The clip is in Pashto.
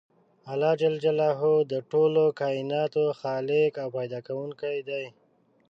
الله ج د ټولو کایناتو خالق او پیدا کوونکی دی .